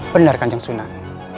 benar kanjeng sunan